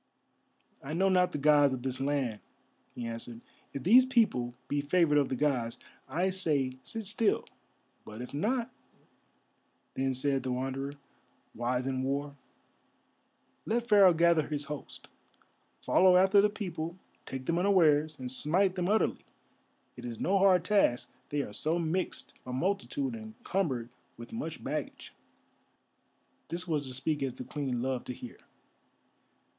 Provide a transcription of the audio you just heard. "I know not the Gods of this land," he answered. "If these people be favoured of the Gods, I say sit still. But if not," then said the Wanderer, wise in war, "let Pharaoh gather his host, follow after the people, take them unawares, and smite them utterly. It is no hard task, they are so mixed a multitude and cumbered with much baggage!" This was to speak as the Queen loved to hear.